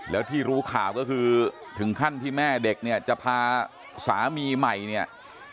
แล้วที่รู้ข่าวก็คือถึงขั้นที่แม่เด็กเนี่ยจะพาสามีใหม่เนี่ย